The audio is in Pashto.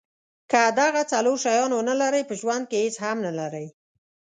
که دغه څلور شیان ونلرئ په ژوند کې هیڅ هم نلرئ.